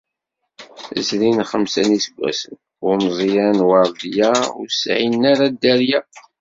Zrin xemsa n yiseggasen, Umeẓyan d Werdiya ur sɛin ara dderya.